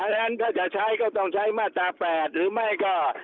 ฉะนั้นถ้าจะใช้ก็ต้องใช้มาตรา๘หรือไม่ก็